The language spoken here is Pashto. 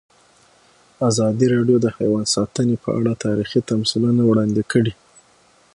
ازادي راډیو د حیوان ساتنه په اړه تاریخي تمثیلونه وړاندې کړي.